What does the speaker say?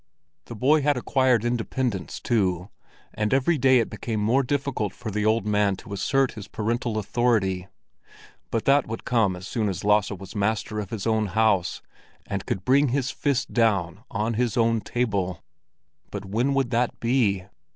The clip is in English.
The boy had acquired independence, too, and every day it became more difficult for the old man to assert his parental authority; but that would come as soon as Lasse was master of his own house and could bring his fist down on his own table. But when would that be?